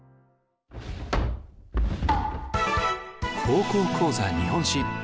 「高校講座日本史」。